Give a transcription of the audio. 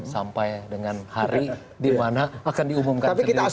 sampai dengan hari dimana akan diumumkan sendiri oleh pak jokowi